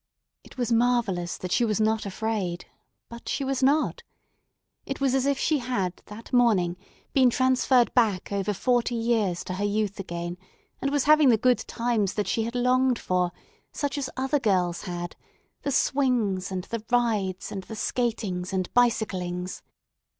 It was marvellous that she was not afraid, but she was not. It was as if she had that morning been transferred back over forty years to her youth again, and was having the good times that she had longed for, such as other girls had—the swings, and the rides, and the skatings, and bicyclings.